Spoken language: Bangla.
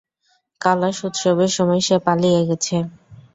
কালাশ উৎসবের সময় সে পালিয়ে গেছে।